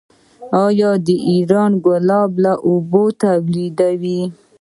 آیا ایران د ګلابو اوبه نه تولیدوي؟